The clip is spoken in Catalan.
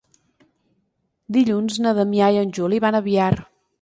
Dilluns na Damià i en Juli van a Biar.